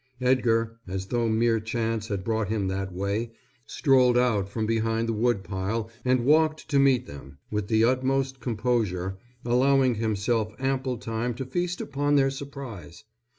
Edgar, as though mere chance had brought him that way, strolled out from behind the woodpile and walked to meet them, with the utmost composure, allowing himself ample time to feast upon their surprise.